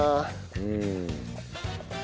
うん。